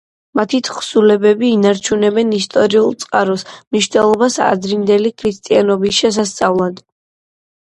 მათი თხზულებები ინარჩუნებენ ისტორიულ წყაროს მნიშვნელობას ადრინდელი ქრისტიანობის შესასწავლად.